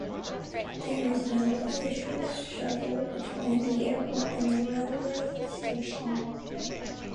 There is no official shuttle between the airport and the railway station.